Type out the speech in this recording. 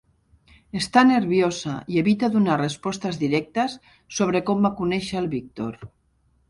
Està nerviosa i evita donar respostes directes sobre com va conèixer el Víctor.